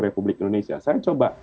republik indonesia saya coba